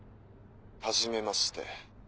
はじめまして。